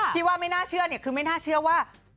ที่ว่าไม่น่าเชื่อเนี่ยคือไม่น่าเชื่อว่า